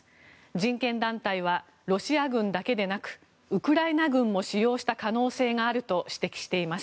人権団体はロシア軍だけでなくウクライナ軍も使用した可能性があると指摘しています。